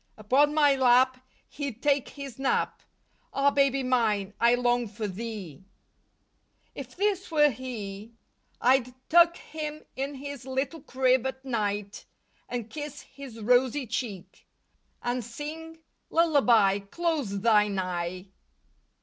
Upon my lap he'd take his nap, Ah, baby mine, I long for thee. If this were he I'd tuck him in his little crib at night, And kiss his rosy cheek, And sing, "Lullaby, close thine eye.